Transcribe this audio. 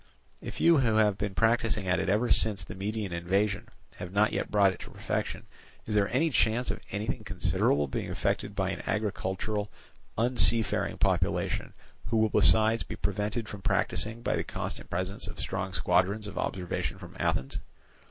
If you who have been practising at it ever since the Median invasion have not yet brought it to perfection, is there any chance of anything considerable being effected by an agricultural, unseafaring population, who will besides be prevented from practising by the constant presence of strong squadrons of observation from Athens?